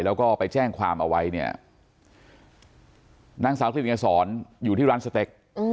แล้วก็ไปแจ้งความเอาไว้เนี่ยนางสาวกลิ่นเกษรอยู่ที่ร้านสเต็ก